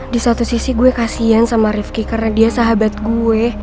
di satu sisi gue kasian sama rifki karena dia sahabat gue